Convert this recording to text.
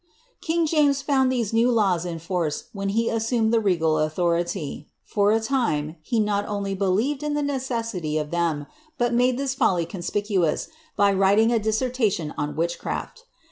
King James found tliese new laws in force when he assumed the regal authority. For a time, he not only believed in the necessity of them, but made this folly conspicuous, by writing a dissertation on witchcraft.